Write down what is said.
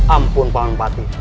ampun paman pati